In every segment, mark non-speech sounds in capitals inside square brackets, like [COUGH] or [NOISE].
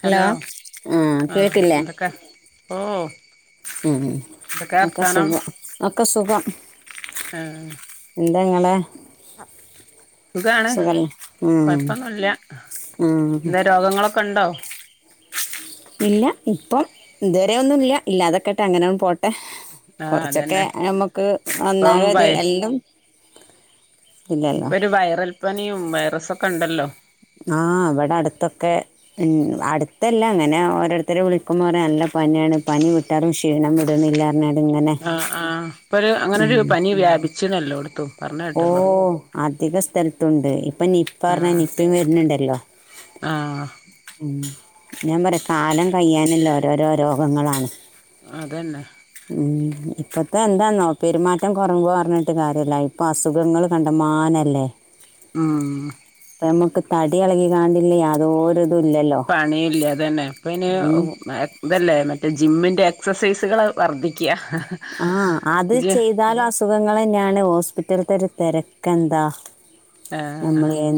Hello ആ ആഹ് കേട്ടില്ലേ എന്തൊക്കെ ഓ- ഉം എന്തൊക്കെ ഒക്കെ സുഖം ഒക്കെ സുഖം ആ എന്തങ്ങെനെ സുഖാണ് കൊഴപ്പൊന്നുല്ല ഉം എന്താ രോഗങ്ങളൊക്കെ ഉണ്ടോ ഇല്ല ഇപ്പം ഇതുവരെ ഒന്നും ഇല്ല ഇല്ലാതൊക്കട്ട് അങ്ങനെയ ഒ പോട്ട ആഹ് കുറച്ചൊക്കെ അതന്നെ നമുക്ക് ഇപ്പം ഒന്നാകത് വയ എല്ലാം ഇല്ലല്ലോ ഇപ്പൊ ഒരു വൈറൽപ്പനിയും വൈറസൊക്കെ ഉണ്ടല്ലോ അടുത്തല്ലാം അങ്ങനെ ഓരോരുത്തരെ വിളിക്കുമ്പോൾ നല്ല പനിയാണ് പനി വിട്ടാലും ക്ഷീണം വിടണില്ല പറഞ്ഞാണ്ട് ഇങ്ങനെ ആഹ് ആഹ് ഇപ്പൊ ഒരു അങ്ങന ഉം ഒരു പനി വ്യാപിച്ചിണല്ലോടത്തും ഓ അധിക സ്ഥലത്തുണ്ട് ഇപ്പംനിപ പറഞ്ഞൻ ആഹ് നിപ വരുന്നുണ്ടല്ലോ ആഹ് ഉം ഞാൻ പറയാ കാലം കഴിയാനുള്ള ഓരോരോ രോഗങ്ങളാണ് അത് തന്നെ ഉം. ഇപ്പത്തെ എന്താന്നോ പെരുമാറ്റം കൊറവ് പറഞ്ഞിട്ട് കാര്യല്ല ഇപ്പൊ അസുഖങ്ങള് കണ്ടമാനല്ലേ ആ ഇപ്പൊ നമുക്ക് തടി ഇളകികണ്ടില്ലേ അതുപോലെ - പണില്ല അത് തന്നെ ഇപ്പയിനി ഉം. മറ്റേ ജിമ്മിൻ- ന്റെ എക്സൈസുകള് വർദ്ധിക്കും ആ അത് ചെയ്താലും അസുഖങ്ങൾ തന്നെയാണ് ഹോസ്പിറ്റൽ ഇത്തത്തൊരു തെരെക്കെന്താ ആഹ് നമ്മള് എ-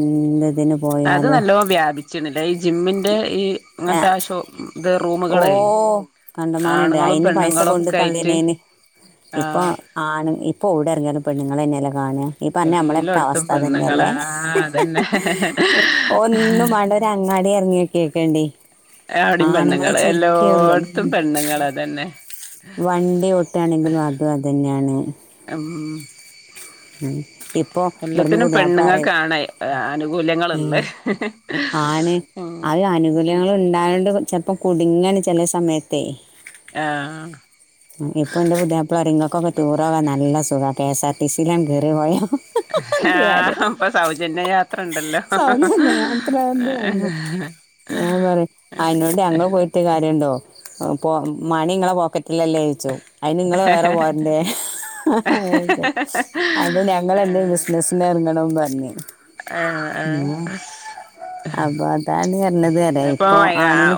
അത് നല്ലോ വ്യാപിച്ചിണില്ല ഈ ജിമ്മിന്റെ ഈ അങ്ങനത്തെ ഷോ ഇത് റൂമുകളെ ഓഹ് കണ്ടമാനണ്ട് ആണുങ്ങളും അയിന് പൈസ പെണ്ണുങ്ങളും കൊണ്ട് ഒക്കെ ആയിട്ട് തള്ളീനേന്- ഇപ്പൊ ആഹ് ആണ് ഇപ്പൊ വിടെ ഇറങ്ങിയാലും പെണ്ണുങ്ങൾ തന്നെയല്ല ന് ഈ പറഞ്ഞ എല്ലോട്ത്തും നമ്മളൊക്കവസ്ഥ പെണ്ണുങ്ങളാ തന്നെല്ലേ ആഹ് അതന്നെ ഒന്നും വാണ്ട. ഒരങ്ങാടി എറങ്ങിക്കെക്കണ്ടി അവിടിം പെണ്ണുങ്ങള് എല്ലോട്ത്തും ഉം. പെണ്ണുങ്ങള തെന്നെ. വണ്ടി ഓട്ടുവാണെങ്കിലും അതും അതന്നെയാണ്. ഉ [INAUDIBLE] ഇവിടുന്ന് എല്ലത്തിനും പുതിയാപ്പിള പറയും പെണ്ണുങ്ങൾക്കാണെ ആനുകൂല്യങ്ങള് ള്ള്. ഉം. ആണ്, അവര് ആനുകൂല്യങ്ങള് ണ്ടായോണ്ട് ചെലപ്പോം കുടുങ്ങാണ് ചെല സമയത്തെ. ആ ഇപ്പൊന്റെ പുത്യാപ്പളറിൻ ങ്ങൾക്കൊക്കെ ടൂറോകാൻ നല്ല സുഖ, K S R T C ലങ്ങട്ട് കേറി പോയോ ഹാ പ്പൊ സൗജന്യ യാത്രണ്ടല്ലോ. ാ പറ അയിോണ്ട് ഞങ്ങള് പോയിട്ട് കാര്യംണ്ടോ പോ മണിങ്ങളെ പോക്കറ്റ് ഇല്ലല്ലേ യിച്ചു അതിന്ങ്ങള് വേറെ പോരൻെറ? അത് ഞങ്ങ എന്റെ ബിസിനസിന ഇറങ്ങണംന്ന് പറഞ്ഞേ ആ അപ്പൊ അതന്നെ. അപ്പൊ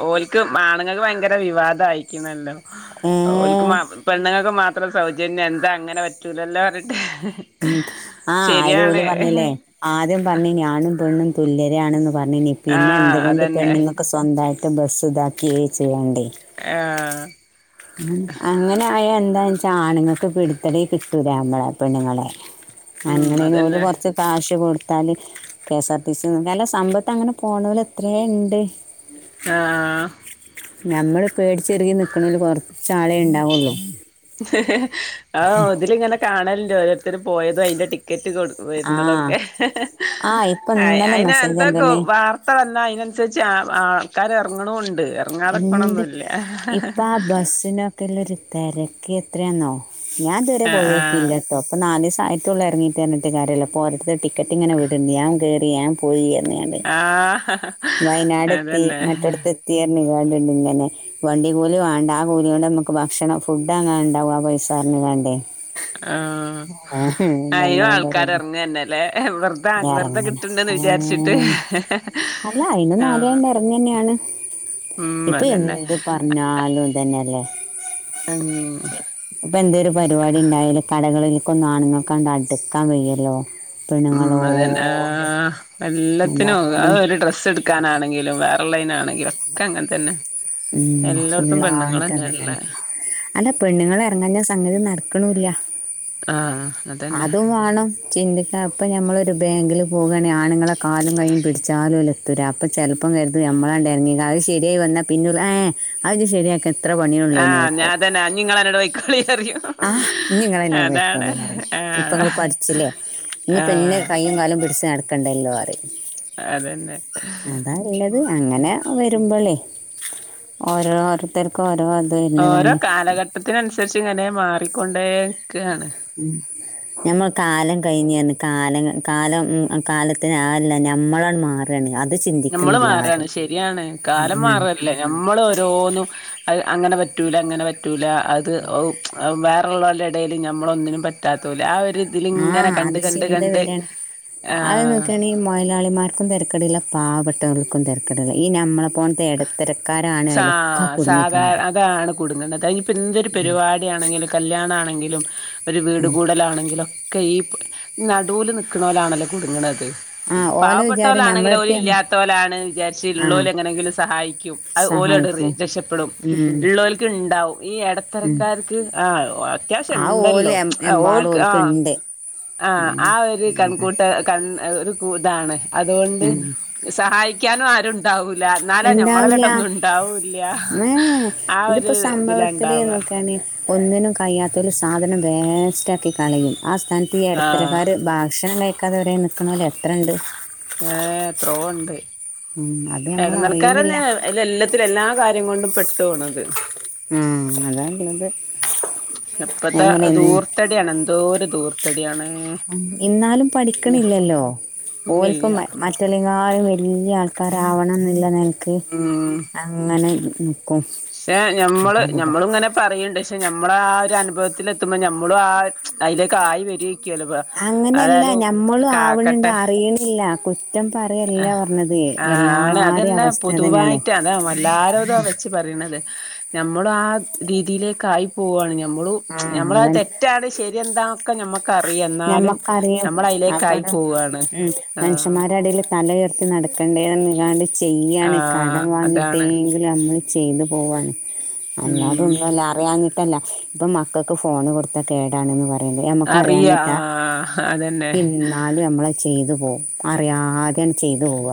ഓലക്ക് ആണുങ്ങൾക്ക് ഭയങ്കര വിവാദം ആയിരിക്കുന്നല്ലോ ഏ ഓക്ക് പെണ്ുങ്ങൾക്ക് മാത്രം സൗജന്യം എന്താ അങ്ങനെ പറ്റൂലല്ലോ പറഞ്ഞിട്ട് ഉം ആ ശരിയാണ് അയതുപോലും പറഞ്ഞല്ലേ ആദ്യം പറഞ്ഞ് ഞാനും പെണ്ണും തുല്യരാണെന്നും പറഞ്ഞിനി പിന്നെ ആഹ് എന്തുകൊണ്ട് അതന്നെ പെണ്ണുങ്ങക്കു സ്വന്തായിട്ട് ബസ് ഇതാക്കുക ചെയ്യണ്ടേ ആഹ് അങ്ങനെ ആ എ എന്താന്ന് വെച്ചാൽ ആണുങ്ങൾക്ക് പിടിത്തടി കിട്ടൂല്ല നമ്മളെ പെണ്ണുങ്ങളെ. ഉം അങ്ങനേലും ഓല് അതന്നെ കൊറച്ച് കാശ് കാശ് കൊടു ത്താല് കെഎസ്ആർ ടി സി ങ്ങളെ സമ്പത്ത് അങ്ങനെ പോണൂലെത്രേണ്ട്. ആ നഞമ്മള് പേടിച്ചെറുകി നിക്കണല് കൊറച്ച ആളെ ഉണ്ടാവുള്ളൂ ആഹ ഒതിലിങ്ങനെ കാണലോ ഓരോരുത്തും പോയതും അതിന്റെ കെറ്റ് കൊടു ആ വരുന്നതൊക്കെ. ആ ഇപ്പൊ ഇന്നലെ അയിന് മെസ്സേജ് എന്തൊക്കെ കണ്ടണ് വാർത്ത തന്ന അതിനനുസരിച്ച് ആൾക്കാാര് ഇറങ്ങണണ്ട് എന്ത് ഇപ്പ ബസ്സിനൊക്കെ എല്ല തിരക്ക എത്രയാന്നോ ഞാൻതുവരെ ആഹ് ആഹ് പോയക്കില്ലട്ടോ പ്പൊനാലുസ് സായത്തുള്ളള്ള ഇറങ്ങിയി് തഞ്ഞിട്ട് കാര്യമല്ല അപ്പോ ഒരടുത്ത് ടിക്കറ്റ് ഇങ്ങനെ വിടണ്ട് ഞൻ കയറി ാ പോയി വയനാട് ആഹ് വയനാടെത്തി അതന്നെ മറ്റെട്ത്തെത്തി എ ന്നിവേണ്ട ഇങ്ങനെ, വണ്ടി കൂലി വേണ്ട ആ കൂലി കൊണ്ട് നമുക്ക് ഭക്ഷണം ഫുഡ് അങ്ങനെ ഉണ്ടാവും ആ പൈസ വണ്ടേ ആ അയും ആൾക്കാാര് ഇറങ്ങ തന്നെല്ലേ വെറ ഞ ഇറങ്ങന ഏ അല്ല ആഹ് അയിന്നൊന്നല്ണ്ട് ഇറങ്ങി തന്നെയാണ് ഉം അതന്നെ ഇപ്പെന്ത് പറഞ്ഞാലുതന്നെ. ഉം എന്ത പപാണ്ട കട ക്കൊ ന്നാണുങ്ങൾക്കണ്ടടുക്കാൻ വയ്യല്ലോ പെണുങ്ങളൊ അതൻ എല്ലാത്തിനും അതാള്ളത് അതൊ ഒരു ഡ്രസ്സ് എടുക്കാനാണെങ്കിലും വേറെ ലൈനാണെങ്കിലും യൊക്കെ അങ്ങനെ തന്നെ ഉം എല്ലായിടത്തും ഫുള്ളായിട്ട് അതന്നെയാണ് പെണ്ണുങ്ങളന്നെയള്ളേ അല്ല പെണ്ണുങ്ങള്ൾറങ്ങാ ഞ്ഞാ സംഗതി നട ക്കൊന്നുല്ല, ആഹ് അതന്നെ അതും വാണം ചിന്തിക്കാൻ പ്പ നമ്മളൊരു ബാങ്കില് പോകാണെങ്കി ആണുങ്ങളെ കാലും കൈ്യും പിടിച്ചാലുല്ല തെരാ അപ്പ ചെലപ്പം കരുതും നമ്മളാണ്ടെറങ്ങി അത് ശരിയായി വന്നാ പിന്നല്ലേ അത് ശരിയാക്ക എത്ര പണിയള്ളേ ഇന ആഹ് ഞാ വെക്ക അതന്നെ നിങ്ങള് എന്നോട് പൊയ്ക്കോളി പറയും ആഹ് ഇഞ്ഞ് ങ്ങളെന്നെ അതാണ് ഉപയോഗിച്ചോളി ങ്ങള് ഇപ്പങ്ങള് ആഹ് പഠിച്ചില്ലേ ഇന്ന് പ്പന്നെ ആഹ് കയ് കാലും പിടിച്ച് നടക്കണ്ടല്ലോ പറയും അതന്നെ അതാള്ളത് അങ്ങനെ വരുമ്പോളേ ഓ തർക്ക ഓരോ കാലഘട്ടത്തിന അനുസരിച്ച് ഇങ്ങനെ മാറിക്കൊണ്ട്േ ഉ ഞമ്മ കാലം കഴിഞ്ഞേന്ന്. കാല കാലം ഉം കാലത്തിന് അല്ല നമ്മളണ്ട് മാറന്നേ അ നമ്മള് മാറയാണ് ശരിയാണ് കാലം ഉം മാറല്ലേ ഞമ്മൾ ഓരോന്നും അ അങ്ങനെ പറ്റല അങ്ങനെ പറ്റൂല അത് വേറെ ള്ളോരെടേല് നമ്മളൊന്നിനും പറ്റാതോല് ആ ഒരു ആ ഇതിലിങ്ങനെ കണ്ട് അത് കണ്ട് കണ്ട് ചിന്തവെരാണ്. അത് ആഹ് നോക്കാണെങ്കി മൊതലാളിമാർക്കും തെരക്കടില്ല പാവപ്പെട്ടവർക്കും തെരക്കടില്ല ഈ നമ്മള ഇടത്തിരക്കാ സ സാധാര അതാണ് കൊടുങ്ങത് അതിനിപ്പോ എന്തൊരു പരിപാടിാണെങ്കിലും കല്യാണ ആണെങ്കിലും ഒരു വീട് കൂടലാണെങ്കിലൊക്കെ ഈ നടുവിൽ നിൽക്കണവലാണല്ലോ കുടുങ്ങണത് ആഹ് ഓലെ വിചാരം പാവപ്പെട്ടവലാണെങ്കിലും ഓലും ഞമ്മളടുത്ത് ഇല്ലാത്ത പോലാണ് ആഹ് വിചാരിച്ചള്ളല എങ്ങനെങ്കിലും സഹായിക്കും അത് ഓലോട് സഹായിക്കും രക്ഷപ്പെടും ഉം ഉള്ളവർക്ക് ഉണ്ടാവും ഈ ഇടത്തറക്കാർക്ക് ആഹ അത്യാവശ്യം ആ ഓല് ഉണ്ടല്ലോ ആ ഓ എമ്പാടും ഓൽക്ക് ആഹ ഇണ്ട് ആ ആ ഒരു ഉം അതാ കൺകൂട്ട കൺ ഒരു കൂ ഇതാണ് അതുകൊണ്ട് ഉം സഹായിക്കാനും ആരുുംണ്ടാവൂില്ല എന്നാല ഞമ്മളോട്ട ഇണ്ടാവില്ല ഒന്നും ഇണ്ടാവൂല്ല ഏ ആ ഇതിപ്പോ ഒരു ഇതിലാ സംഭവത്തില് ഇണ്ടാവ നോക്കാണ് ഒന്നിനും കഴ്യാത്തൽ സാധനം വേസ്റ്റാക്കി കളയും ആ സ്ഥാനത്ത് ഈ എ ആഹ് ടത്തരക്കാര് ഭാക്ഷണം കഴിക്കാതെ നിക്ക്ണോരെ എത്രെണ്ട്? ഏ എത്രോ ഉണ്ട് ഉം അത് നമ്മൾ ഇടനൽക്കാരന്ന അറിയുന്നില്ല എല്ലാത്തിലും എല്ലാം കാര്യം കൊണ്ട്ും പെട്ടണത് ഉം അല്ലാ പിന്നെ എപ്പത്തെ ദൂർത്തടിയാണ് എന്തോര ദൂർ ഇന്നാലും ഇല്ല പഠിക്ക്ണില്ലല്ലോ? ഇല്ല ഓൽക്കും മറ്റല്ലെയ്ക്കാനും വെയ് ഈ ആൾക്കാരാവണം എന്നില്ല നിനക്ക് ഉം അങ്ങനെ നിക്കും പക്ഷെ ഞമ്മള് അതാള്ളത് നഞമ്മള ഇങ്ങനെ പറയണ്ട് നമ്മളാഒരു അനുഭവത്തിലെത്തുമ്പോ നമ്മളും ആ അയിലേക്ക് ആയി വരൊയ്. കിലുപ്പ അങ്ങനെയല്ല അതായാലും നമ്മളും ആവണുണ്ട് കാക്കട്ടെ അറിയണില്ല കുറ്റം ആ പറയല്ല പറഞ്ഞത് ആ ആണ് എല്ലാരെയും അതെന്നെ അവസ്ഥ അതന്നെയാണ് പൊതുവായിട്ട് അതാ ല്ലാരുത്തും വെച്ച് പറി. നമ്മൾ ആ രീതിയിലേക്ക ആയി പോവാണ് ന്നു ആഹ് നമ്മളത് അതാണ് തെറ്റാണ് ശരി ന്താന്നൊക്കെ നമ്മക്കറിയാം ന്നാലും ഞമ്മക്കറിയും നമ്മളയിലേക്കായി. അപ്പറം ഉം മനുഷ്യമാരുടേല് തലയുർത്തി നട രണ്ടേലെന്നുങ്ങാണ്ട് ആ ചെയ്യാണ്. കടം അതാണ് വാങ്ങിട്ടെങ്കിലും നമ്മൾ ചെയ്തു പോവാണ്. ഉം അല്ലാതൊന്നൊല്ല അറിയാഞ്ഞിട്ടല്ല പ്പൊ മക്കക്ക് ഫോണ് കൊടുത്ത കേടാണെന്ന് പറിം. അല്ലേ അറിയ ആ നമ്മക്ക്റിയാനിട്ടാ അതന്നെ എന്നാലും നമ്മള ചെയ്തു പോ അറിയാതെണ്ട് ചെയ്തു പോക.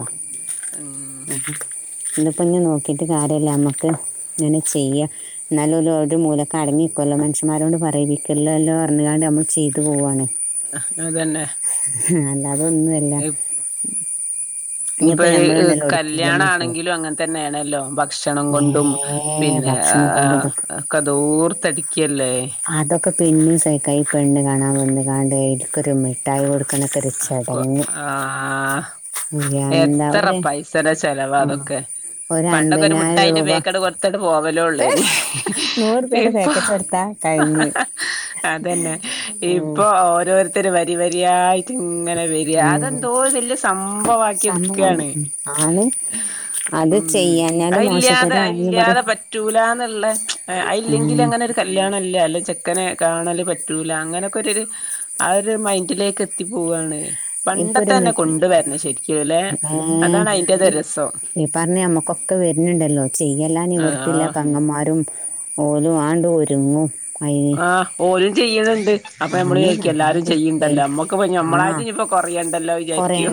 ഉം ഉ [INAUDIBLE] ഇന്നിപ്പോഞ്ഞ് നോക്കിറ്റ് കാര്യല്ല നമ്മക്ക് ഇങ്ങനെ ചെയ്യാ ന്നാലൊരു മൂലൊക്കെടങ്ങി കൊല്ലം മനുഷ്യൻമാരോട് പറയിപ്പിക്കില്ലല്ലോ പറഞ്ഞുകാണ്ട് നമ്മൾ ചെയ്തു പോകാണ്. ആ അതന്നെ. ആ അല്ല അതൊന്നുല്ല. ഇനിപ്പോ ഒരു ഒടുക്കയിലൊന്ന് പോ കല്യാണാണെങ്കിലും അങ്ങനെ തന്നെയാണല്ലോ, ഭക് ഭക്ഷണം കൊണ്ടും ഏ പിന്നെ ഭക്ഷണം ആ കൊണ്ട് ഇതൊക്കെ ഒക്കെ ധൂർത്തടിക്കല്ലേ പിന്നേം സഹിക്കാം ഈ പെണ്ണ് കാണാൻ വന്നു കാണ്ട് ഇക്കൊരു മിട്ടായി കൊടുക് ആ എന്താ എത്ര ഒരു പൈസെടെ ചെലവാ ആ, അതൊക്കെ. ഒരു പണ്ടൊക്കൊരു അൻപതിനായിരം മുഠായിന്റെ രൂപ പേക്ക് കൊട്ത്തണ്ട് പോവലോ ള്ളേനി നൂറുപ്യന്റെ ഇപ്പൊ പാക്കറ്റ് എടുത്താ കഴിഞ്ഞ് അതന്നെ ഉം. ഇപ്പൊ ഓരോരുത്തര് വരി വരിയായി ഇങ്ങനെ വരിയാ ഉം. അതെന്തോ വല്ിയ സംഭവ ആക്കി സംഭവമാണ് എടുക്കയാണ് ഉം. ആള് അത് ഉം ചെയ്യാഞ്ഞാല് അഇല്ലാതെ മോശത്തരായിന്ന് പറയും അഇല്ലാതെ പറ്റൂലാന്ന്ള്ള ഉം അയില്ലെങ്കിലങ്ങനൊരു കല്യാണം ചെക്കന കാണ പ അങ്ങനൊക്കെ ആ മൻഡിലേക്ക് എത്തിപ്പോുകാണ് ഇപ്പൊ പണ്ടത്തെ ഒരു തന്നെ മി- കൊണ്ട വരണ ശരിക്കുംല്ലെ ഏ അതാണ് അയിറത രസം ഒക്കെ വരുന്നുണ്ടല്ലോ ചെയ്യലൻ ഇവർത്തില്ല ആഹ് പങ്ങന്മാരും ഓരും ആണ്ട് ഒരുങ്ങും അയിന് ആഹ് ഓലും ചെയ്യനുണ്ട് അപ്പൊ ആണ് നമ്മള്ചാരിക്കും അതാണ് എല്ലാരും ചെയ്യണ്ടല്ലോ കേൾക്ക് നമ്മക്ക് ആ നമ്മളായിട്ട്ും ഇപ്പൊ കൊറയണ്ടല്ലോ വിചാരിക്കോ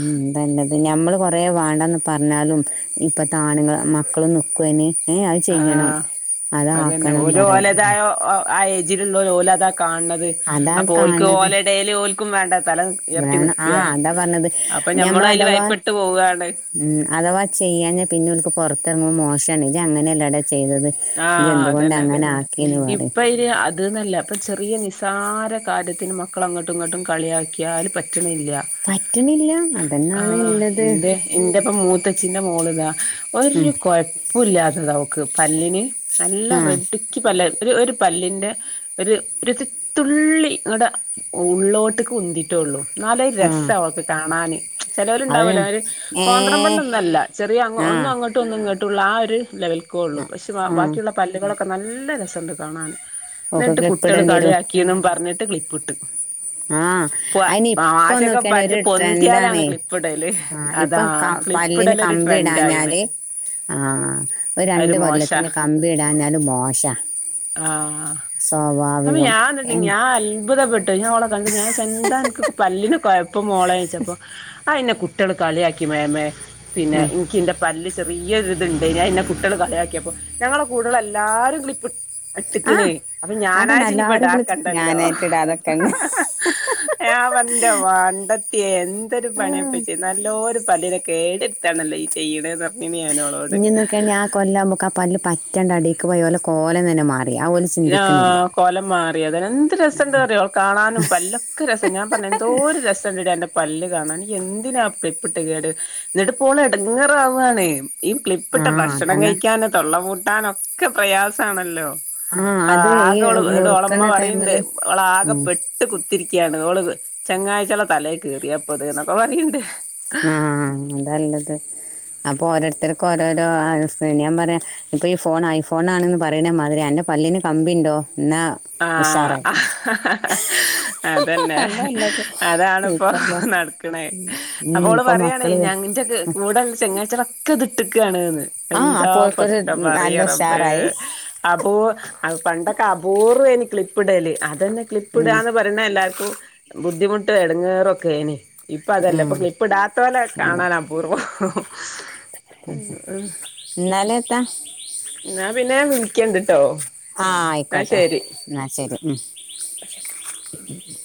ഉ തന്നത് നഞമ്മള് കൊറേ വേണ്ട പറഞ്ഞാലും ഇപ്പതാണുങ്ങളും മക്കളും നിക്കോതിന് ഏ അയ് ചെയ്യണം ആഹ് അത അതന്നെ ആാക്കണം ഓല് പറയ ഓലതായ ആ ഏജിലുള്ള ഓല അതാ കാൺണത് അതാ അപ്പൊ ഓൽക്ക് കാണുന്നത് ഓലെ ഡെയിലി ഓൽക്കും വേണ്ട ആ അതാ പറഞ്ഞത് അപ്പൊ ഞമ്മളും ഞമ്മള അയില് അതാവാ ഭയപ്പെട്ട് പോവാണ് ഉം അഥവാ ചെയ്യാഞാ പിന്നെ ഓല്ക്ക് പുറത്തിറങ്ങുമ്പോ മോശണ് ജ്ജ് അങ്ങനെല്ലട ആഹ അതന്നെ അത തന്നെ ആക്കിന്ന് പറയും ഇപ്പൊ ഇര് അത്ന്നല്ല ഇപ്പൊ ചെറിയ നിസാര കാര്യത്തിന് മക്കള അങ്ങോട്ടും ഇങ്ങോട്ടും കളിയാക്കിയാൽ പറ്റ പറ്റണില്ല ൂആ അതന്നാണ് ഇള്ളത് ന്റെ പ്പോ മൂ മുത്തച്ചിന്റെ മോളിതാ ഉം ഒരു കുഴപ്പോല്യാതെ അവക്ക്- നല്ലിന് നല്ല ആ റെഡ്ഡ്ക്ക് പല ഒരു ഒരു പല്ലിൻ്റെ ഒരു ഒരു തുള്ളി ഇങ്ങുടെ ഉള്ളോട്ട് കുന്തിയിട്ടേ ഉള്ളൂ നല്ലൊരു ആ രസമാണ് അവക്ക് കാണാൻ അത് ചിലവരുണ്ടാവല്ലോ അവര് ഏ കോന്ത്രംമ്പലോന്നല്ല ചെറിയ ആ ഒന്ന് അങ്ങോട്ടും ഒന്നും ഇങ്ങോട്ട് തട്ടുള്ള ആ ഒരു ലെവലക്കേ ഉള്ളൂ പക്ഷേ ആ ബാക്കിയുള്ള പല്ലുകളൊക്കെ നല്ല രസമുണ്ട് കാണാൻ ഓക്ക് എന്നിട്ട് ക്ലിപ്പ് കുട്ടെള് ഇടേണ്ടി കളിയാക്കിന്നും പറഞ്ഞിട്ട് ക്ളിപ്പിട്ട് ആഹ അയിനിപ്പോ നോക്കിയണ പല്ല് ഒരു പൊന്തിയാലാണ് ട്രൻഡാണേ ക്ലിപ്പ്ടല് ആ അതാ ഇപ്പൊ പല്ലിന് ക്ലിപ്പ്ടലൊരു കമ്പി ട്രെൻഡായിണ് ഇടാൻഞാല് ആ ഒരു അതൊരു രണ്ട്കൊല്ല അ മോശാ പിന് കമ്പി ഇടാ എന്നും മോശമാണ് സോ അപ്പ ഞാൻ ഞാൻ അത്ഭുതപ്പെട്ടു ഞൻ അവള കണ്ട ഞാൻ ചെന്താ എനക്ക് പല്ലിന് ഇപ്പോ മോള യിച്ചപ്പോൾ ആയെന്നെ കുട്ടേള് കളിയാക്കി മേമേ ഉം പിന്നെഇൻക്ക്ന്റെ പല്ല് ചെറിയൊ ഇതുണ്ട് ഞാൻ എന്നെ കുട്ടേള് കളിയാക്കിയപ്പോ ഞങ്ങളെ കൂടെഉള്ള എല്ലാരും ക്ലിപ്പ് ഇട്ടിക്കണേ ആഹ് അപ്പൊ അതാണ് ഞാനായി ച എല്ലാരും ഇഞ്ഞപ്പോടാ വിളി കണ്ടല്ലോ ഞാനായിട്ടിടാ അതൊക്കെണ്ട് വന്റെ വണ്ടത്തിയ എന്തൊരു പണിയപ്പ ചെയേ നല്ലൊരു പ പല്ല കേടടുത്താണല്ലോ ഈ ചെയ്യണ ഇനി നോക്കണെ ആ കൊള്ളാവുമ്പോക്കും ആ പല്ല് പറ്റേണ്ട അടക്ക് പോയി പോലെ കോലലം തന്നെ മാറു ആ് കൊലം മാറി അതെ എന്ത് രസംുണ്ട് പററിയോൾ കാണാനും ഇ പല്ലൊക്കെ രസം ഞാൻ പറഞ്ഞ എന്തോ ഓ രസ്റ്റോറന്റ് എന്റെ പല് കാണി എന്തിനാ അപ്പ ഇപ്പെട്ട കേട് എന്നിട്ട് പോണ ഇടങ്ങാറാവവാണേ ഈ ക്ലിപ്പിട്ട ആഹ് ഭക്ഷണം അതാണ് കഴിക്കൻ തൊള്ള പൂട്ടാനൊക്കെ പ്രയാസെണോല്ലോ ആഹ് ആ അത് ഈ ആക അവള് എട ഓളമ്മ മുറുക്ക്ണ പറയണ്ട് ടൈമില് അവള ആകെ ഉം പെട്ട് കുത്തിരിക്കുകയാണ് അവഓള് ചെങ്ങാഴ്ചുള്ള തലേ ക കേറിയപ്പത് എന്നൊക്കെ പറയണ്ട് ആഹ അതല്ലത് അപ്പൊ ഓരോരുത്തർക്കും ഓരോരോ ഞാൻ പറയാ ഇപ്പൊ ഈ ഫോൺ ഐഫോൺാണന്ന് പറയുന്ന മാതിരി എന്റെ അല്ലന് കമ്പിുണ്ടോ ആഹ അതന്നെ അതല്ലത് അതാണിപ്പൊ ഇപ്പല്ല ഹ് നട്ക്ക്ണേ ഉം അപ്പോള് ഇപ്പൊ പറയെണ് മക്കള് വ ഞ്ന്റെ കൂടെ ചങ്ങാച്ചിറൊക്കെ ഇതിട്ടുകാണ്ന്ന് ആ എന്താ അപ്പൊ ഓൽക്കൊരു പൊതൊക്കെ നല്ല പററ പേ ഉഷാറായി അബു അത് പണ്ടൊക്കെ അബൂ ഇനി ക്ലിപ്പ് ഇടല് അതന്നെ ക്ലിപ്പ് ഉം ഇടാന്ന് പറയണ എല്ലാർക്കും- ബുദ്ധിമുട്ട് എടങ്ങേറോക്കെണ് ഇപ്പ അതല്ലേപ്പൊ ഉം ക്ലിപ്പ ഇടാതോനെ കാനാണനാപൂർവം ന്നലെത്താ എന്നാ പിന്നെ വിളിക്കണ്ടിട്ടോ ആഹ ആയിക്കോട്ടെ എന്നാ ശെരി ഉ ഖുഹ്